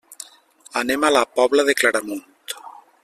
Anem a la Pobla de Claramunt.